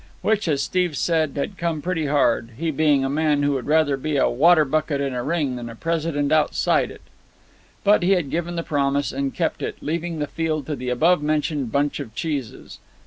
Which, as Steve said, had come pretty hard, he being a man who would rather be a water bucket in a ring than a president outside it. But he had given the promise, and kept it, leaving the field to the above mentioned bunch of cheeses.